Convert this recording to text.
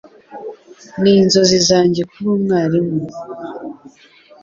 Ninzozi zanjye kuba umwarimu.